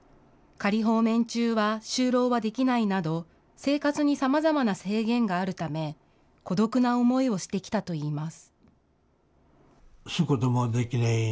仮放免中は就労はできないなど、生活にさまざまな制限があるため、孤独な思いをしてきたといいます。